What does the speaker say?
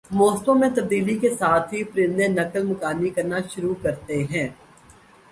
موسموں میں تبدیلی کے ساتھ ہی پرندے نقل مکانی کرنا شروع کرتے ہیں